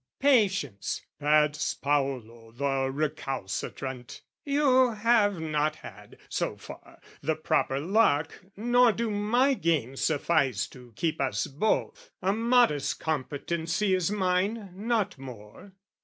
"Patience," pats Paolo the recalcitrant "You have not had, so far, the proper luck, "Nor do my gains suffice to keep us both: "A modest competency is mine, not more.